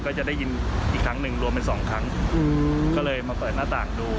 ก็จะได้ยินอีกครั้งหนึ่งรวมเป็นสองครั้งอืมก็เลยมาเปิดหน้าต่างดู